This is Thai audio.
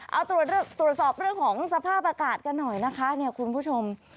เอาตรวจสอบเรื่องของสภาพอากาศกันหน่อยนะคะเนี่ยคุณผู้ชม